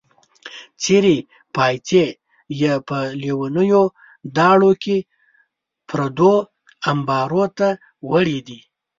څېرې پایڅې یې په لیونیو داړو کې پردو امبارو ته وړې دي.